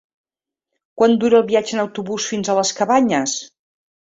Quant dura el viatge en autobús fins a les Cabanyes?